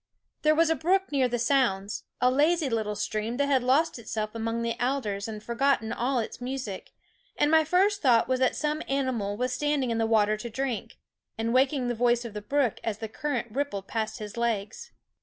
There was a brook near the sounds, a lazy little stream that had lost itself among the alders and forgotten all its music ; and my first thought was that some animal was standing in the water to drink, and waking the voice of the brook as the current rippled past his legs.